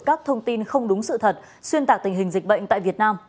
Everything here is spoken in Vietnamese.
các thông tin không đúng sự thật xuyên tạc tình hình dịch bệnh tại việt nam